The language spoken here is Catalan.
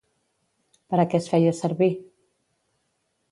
Per a què es feia servir?